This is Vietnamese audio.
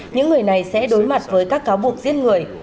những người này sẽ đối mặt với các cáo buộc giết người